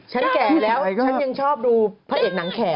แก่แล้วฉันยังชอบดูพระเอกหนังแข่